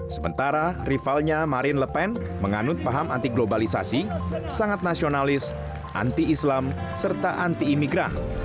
sementara rivalnya marine lepen menganut paham anti globalisasi sangat nasionalis anti islam serta anti imigran